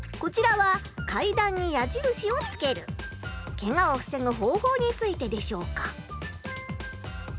こちらはケガを防ぐ方法についてでしょうか？